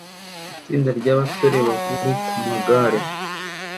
itsinda ryabasore bakuru kumagare